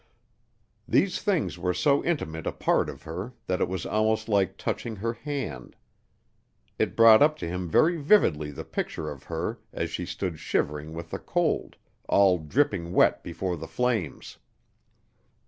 These things were so intimate a part of her that it was almost like touching her hand. It brought up to him very vividly the picture of her as she stood shivering with the cold, all dripping wet before the flames.